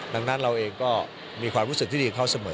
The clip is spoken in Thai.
ดังนั้นเราเองก็มีความรู้สึกที่ดีกับเขาเสมอ